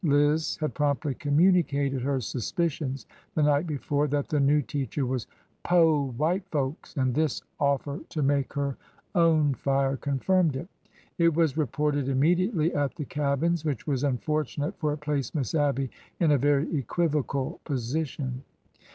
Liz had promptly communicated her suspicions, the night before, that the new teacher was '' po' white folks," and this offer to make her own fire confirmed it. It was reported im mediately at the cabins, which was unfortunate, for it placed Miss Abby in a very equivocal position.